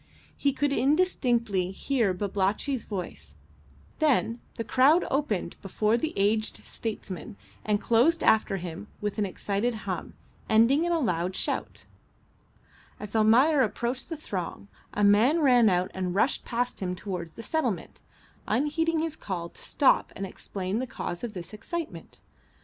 He could indistinctly hear Babalatchi's voice, then the crowd opened before the aged statesman and closed after him with an excited hum, ending in a loud shout. As Almayer approached the throng a man ran out and rushed past him towards the settlement, unheeding his call to stop and explain the cause of this excitement.